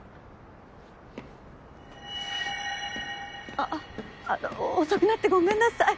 あっあの遅くなってごめんなさい